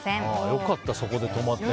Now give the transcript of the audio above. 良かった、そこで止まって。